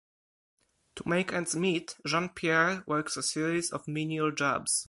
To make ends meet, Jean-Pierre works a series of menial jobs.